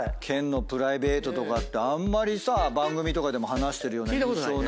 ケンのプライベートとかってあんまりさ番組とかでも話してるような印象